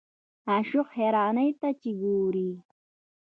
عاشق حیرانۍ ته چې ګورې.